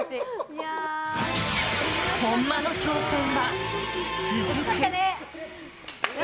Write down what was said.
本間の挑戦は続く！